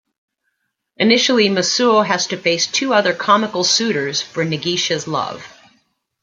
Initially, Masuo has to face two other comical suitors for Nagisa's love.